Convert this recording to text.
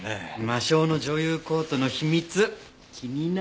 魔性の女優コートの秘密気になる！